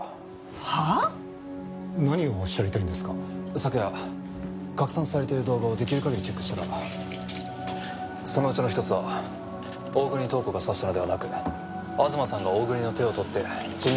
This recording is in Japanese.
昨夜拡散されている動画をできる限りチェックしたらそのうちの一つは大國塔子が刺したのではなく東さんが大國の手を取って自分に向けたように見えました。